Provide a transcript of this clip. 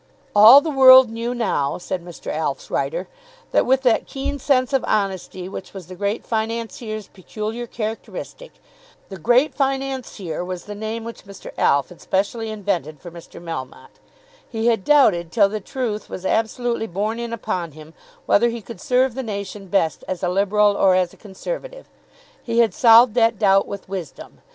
All the world knew now, said Mr. Alf's writer, that with that keen sense of honesty which was the Great Financier's peculiar characteristic, the Great Financier was the name which Mr. Alf had specially invented for Mr. Melmotte, he had doubted, till the truth was absolutely borne in upon him, whether he could serve the nation best as a Liberal or as a Conservative. He had solved that doubt with wisdom.